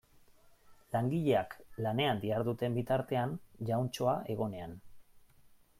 Langileak lanean diharduten bitartean jauntxoa egonean.